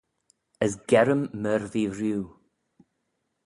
As gerrym myr v'ee rieau.